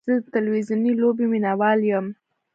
زه د تلویزیوني لوبې مینهوال یم.